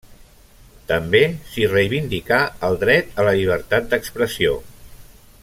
També s'hi reivindicà el dret a la llibertat d'expressió.